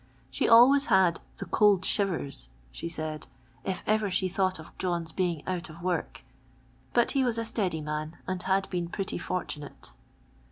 She always had " the cold shivers," she said, " if ever she thouglit of John's being out of work, but he was a steady man, and had been pretty fortunate."